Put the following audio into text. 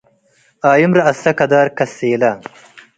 ኣይም ረአሰ ከዳር ከሴለ